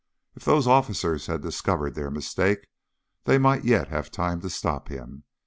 If those officers had discovered their mistake, they might yet have time to stop him.